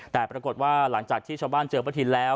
แต่ปรากฏว่าหลังจากที่ชาวบ้านเจอป้าทินแล้ว